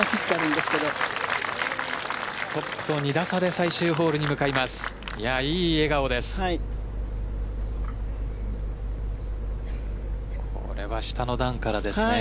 トップと２打差で最終ホールに向かいます。